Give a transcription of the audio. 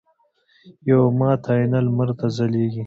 یوه ماته آینه لمر ته ځلیږي